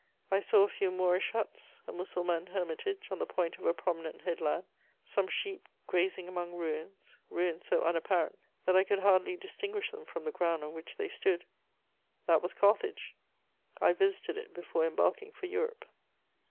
I saw a few Moorish huts, a Mussulman hermitage on the point of a prominent head land, some sheep grazing among ruins, ruins so unapparent that I could hardly distinguish them from the ground on which they stood: that was Carthage. I visited it before embarking for Europe.